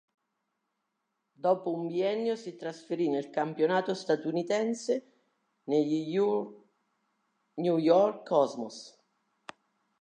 Dopo un biennio si trasferì nel campionato statunitense, negli New York Cosmos.